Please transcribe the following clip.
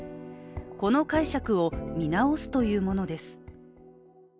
この解釈を見直すというものです。